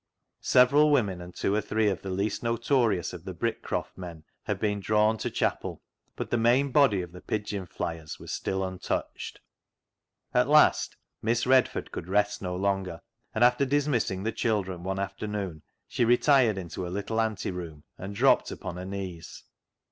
Several women and two or three of the least notorious of the Brick croft men had been drawn to chapel, but the main body of the pigeon flyers was still untouched. At last Miss Redford could rest no longer, and after dismissing the children one after noon she retired into her little anteroom and dropped upon her knees.